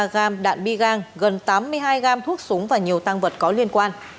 hai trăm ba mươi ba gam đạn bi gang gần tám mươi hai gam thuốc súng và nhiều tăng vật có liên quan